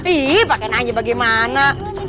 ih pake nanya bagaimana